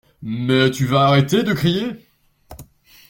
Mais tu vas arrêter de crier?!